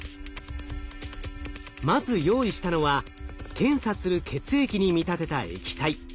まず用意したのは検査する血液に見立てた液体。